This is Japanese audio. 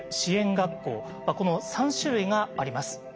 この３種類があります。